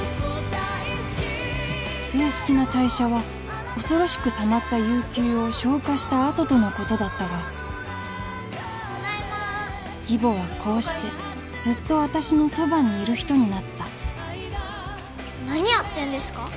正式な退社は恐ろしくたまった有休を消化したあととのことだったがただいま義母はこうしてずっと私のそばにいる人になった何やってんですか？